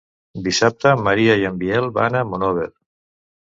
Dissabte en Maria i en Biel van a Monòver.